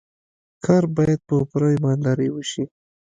کار باید په پوره ایماندارۍ وشي.